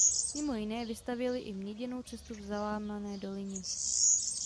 Mimo jiné vystavěli i měděnou cestu v Zalámané dolině.